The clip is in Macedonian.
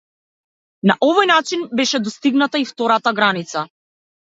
На овој начин беше достигната и втората граница.